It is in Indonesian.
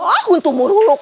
ah untuk muruluk